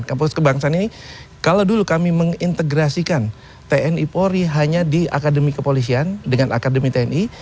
kampus kebangsaan ini kalau dulu kami mengintegrasikan tni polri hanya di akademi kepolisian dengan akademi tni